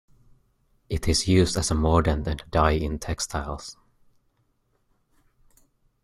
It is used as a mordant and a dye in textiles.